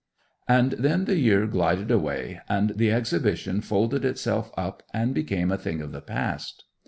And then the year glided away, and the Exhibition folded itself up and became a thing of the past.